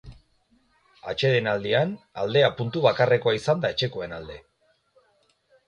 Atsedenaldian, aldea puntu bakarrekoa izan da etxekoen alde.